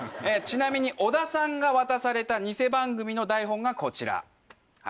ちなみに織田さんが渡されたニセ番組の台本がこちら。